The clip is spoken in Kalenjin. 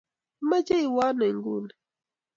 Imache iwe ano inguni?